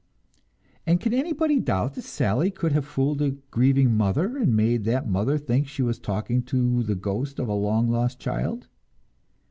And can anybody doubt that Sally could have fooled a grieving mother, and made that mother think she was talking to the ghost of a long lost child?